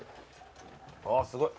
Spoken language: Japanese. あっすごい。